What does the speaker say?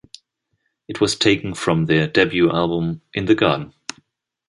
It was taken from their debut album "In the Garden".